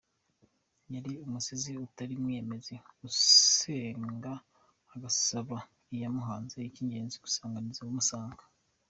Yari umusizi utari umwiyemezi usenga agasaba iyamuhanze icy’ingenzi yasanganiza abamusanga.